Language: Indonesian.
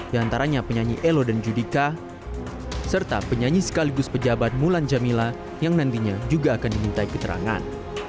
di antaranya penyanyi elo dan judika serta penyanyi sekaligus pejabat mulan jamila yang nantinya juga akan dimintai keterangan